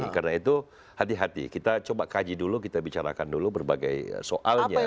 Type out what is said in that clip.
karena itu hati hati kita coba kaji dulu kita bicarakan dulu berbagai soalnya